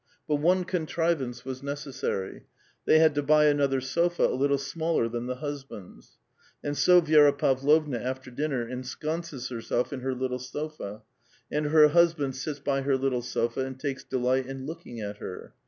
But one contrivance was necessarv ; they had to buy another sofa a little smaller than the hus band's. And so Vi^ra Pavlovna, after dinner, ensconces herself in her little sofa ;^ and her husband sits by her little sofa, and takes delight in looking at her.